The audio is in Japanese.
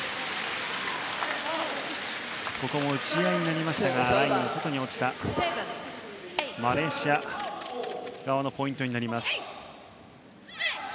ここも打ち合いになりましたがラインの外に落ちてマレーシア側のポイントです。